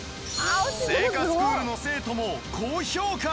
製菓スクールの生徒も高評価